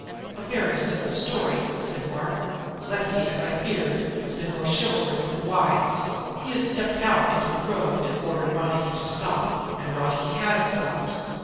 "A very simple story," said Mark. "Lefty, as I feared, has been more chivalrous than wise. He has stepped out into the road and ordered Ronicky to stop, and Ronicky has stopped.